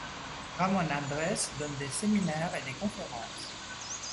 Ramón Andrés donne des séminaires et des conférences.